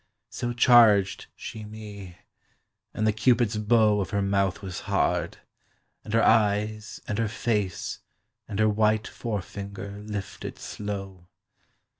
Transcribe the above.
—So charged she me; and the Cupid's bow Of her mouth was hard, and her eyes, and her face, And her white forefinger lifted slow.